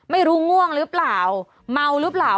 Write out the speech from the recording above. ง่วงหรือเปล่าเมาหรือเปล่า